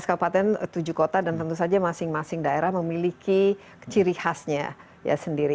lima belas kabupaten tujuh kota dan tentu saja masing masing daerah memiliki ciri khasnya ya sendiri